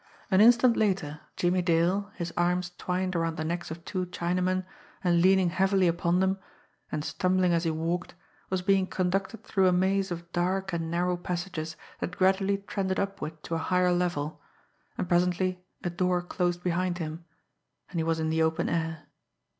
An instant later, Jimmie Dale, his arms twined around the necks of two Chinamen, and leaning heavily upon them, and stumbling as he walked, was being conducted through a maze of dark and narrow passages that gradually trended upward to a higher level and presently a door closed behind him, and he was in the open air.